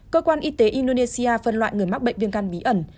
cơ quan y tế indonesia phân loại người mắc bệnh viêm căn bí ẩn